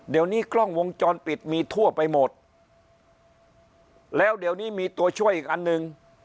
เดี๋ยวนี้กล้องวงจรปิดมีทั่วไปหมดแล้วเดี๋ยวนี้มีตัวช่วยอีกอันหนึ่ง